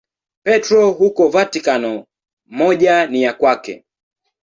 Petro huko Vatikano, moja ni ya kwake.